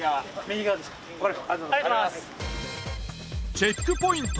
チェックポイント